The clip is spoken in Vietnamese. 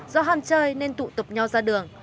do ham chơi nên tụ tục nhau ra đường